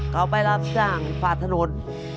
เขาไปรับจ้างฝาดถนน